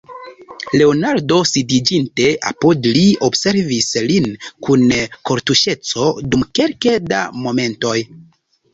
Leonardo, sidiĝinte apud li, observis lin kun kortuŝeco dum kelke da momentoj.